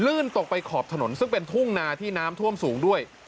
ตกไปขอบถนนซึ่งเป็นทุ่งนาที่น้ำท่วมสูงด้วย